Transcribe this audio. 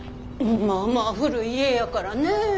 まあまあ古い家やからねえ。